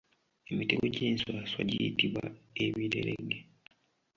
Emitego gy'enswaswa giyitibwa ebirerege.